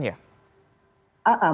berhenti mengulangi perbuatannya